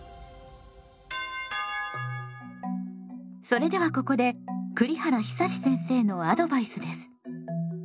それではここで栗原久先生のアドバイスです。